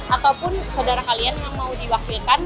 ataupun saudara kalian yang mau diwakilkan